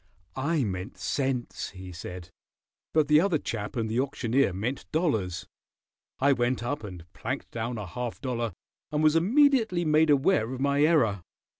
"I meant cents," he said, "but the other chap and the auctioneer meant dollars. I went up and planked down a half dollar and was immediately made aware of my error."